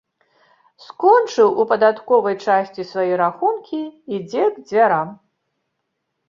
Скончыў у падатковай часці свае рахункі, ідзе к дзвярам.